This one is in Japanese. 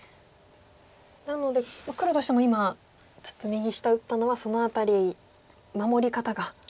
なので黒としても今ちょっと右下打ったのはその辺り守り方が。